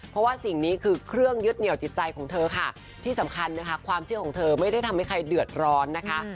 เพราะว่าสิ่งนี้คือเครื่องยึดเหนียวจิตใจของเธอค่ะที่สำคัญนะคะความเชื่อของเธอไม่ได้ทำให้ใครเดือดร้อนนะคะ